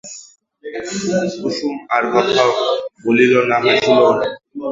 কুসুম আর কথা বলিল না, হাসিলও না।